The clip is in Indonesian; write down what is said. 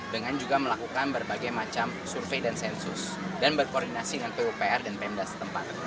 dengan juga melakukan berbagai macam survei dan sensus dan berkoordinasi dengan pupr dan pemda setempat